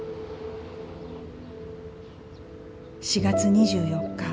４月２４日